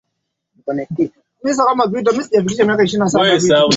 Mungu Mwanadamu